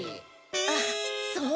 あっそう。